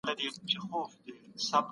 موږ کولای سو د غریبانو ستونزي حل کړو.